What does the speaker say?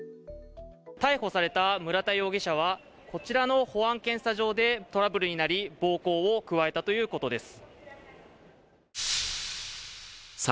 逮捕された村田容疑者はこちらの保安検査場でトラブルになり、暴行を加えたということです。